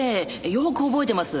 よく覚えてます。